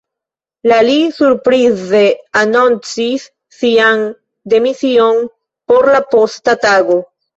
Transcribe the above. La li surprize anoncis sian demision por la posta tago.